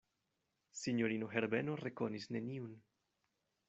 Sinjorino Herbeno rekonis neniun.